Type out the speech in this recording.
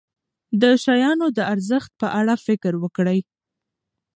د شیانو د ارزښت په اړه فکر وکړئ.